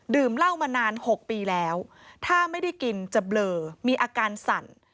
เหล้ามานาน๖ปีแล้วถ้าไม่ได้กินจะเบลอมีอาการสั่น